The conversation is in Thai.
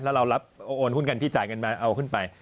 แล้วเรารับโอนหุ้นกันที่จ่ายกันมาเอาขึ้นไป